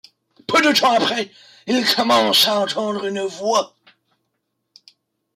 Peu de temps après il commence à entendre une voix...